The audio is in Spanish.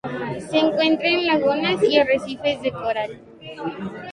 Se encuentra en lagunas y arrecifes de coral.